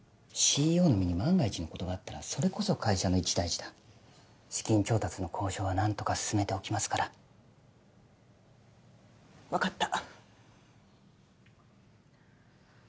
ＣＥＯの身に万が一のことがあったらそれこそ会社の一大事だ資金調達の交渉は何とか進めておきますから分かった